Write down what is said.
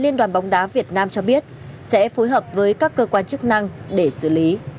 liên đoàn bóng đá việt nam cho biết sẽ phối hợp với các cơ quan chức năng để xử lý